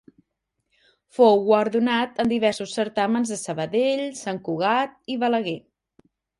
Fou guardonat en diversos certàmens de Sabadell, Sant Cugat i Balaguer.